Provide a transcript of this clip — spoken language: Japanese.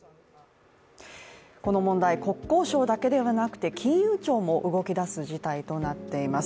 この問題、国交省だけではなくて金融庁も動きだす事態となっています。